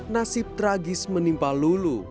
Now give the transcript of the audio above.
nasib tragis menimpa lulu